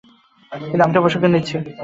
কিন্তু আমি তো প্রশিক্ষণ নিচ্ছি।